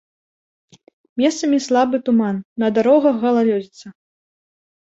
Месцамі слабы туман, на дарогах галалёдзіца.